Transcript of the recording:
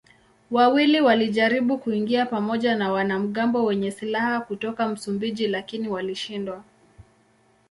Wawili walijaribu kuingia pamoja na wanamgambo wenye silaha kutoka Msumbiji lakini walishindwa.